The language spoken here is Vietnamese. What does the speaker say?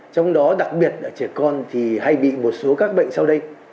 trong đó đặc biệt là trẻ con thì hay bị một số các bệnh sau đây